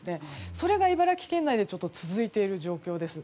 それが茨城県内で続いている状況です。